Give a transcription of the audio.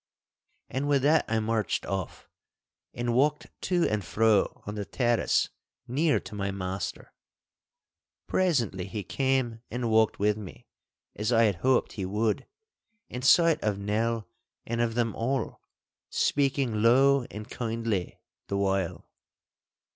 And with that I marched off, and walked to and fro on the terrace near to my master. Presently he came and walked with me, as I had hoped he would, in sight of Nell and of them all, speaking low and kindly the while.